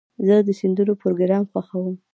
زه د سندرو پروګرام خوښوم.